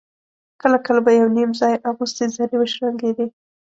کله کله به يو _نيم ځای اغوستې زرې وشرنګېدې.